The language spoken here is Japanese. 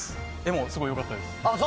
すごく良かったです。